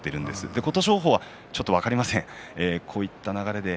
琴勝峰はちょっと分かりません。